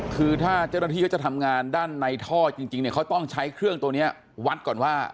คือถ้าเจ้าหน้าที่เขาจะทำงานด้านในท่อจริงเนี่ยเขาต้องใช้เครื่องตัวนี้วัดก่อนว่า